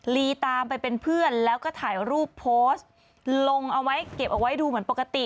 ลีตามไปเป็นเพื่อนแล้วก็ถ่ายรูปโพสต์ลงเอาไว้เก็บเอาไว้ดูเหมือนปกติ